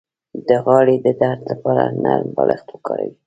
د غاړې د درد لپاره نرم بالښت وکاروئ